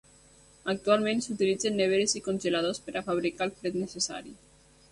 Actualment s'utilitzen neveres i congeladors per a fabricar el fred necessari.